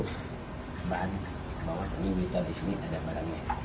untuk bahan bahwa ini kita disini ada barangnya